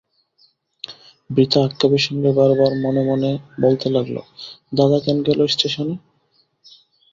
বৃথা আক্ষেপের সঙ্গে বার বার মনে মনে বলতে লাগল– দাদা কেন গেল ইস্টেশনে?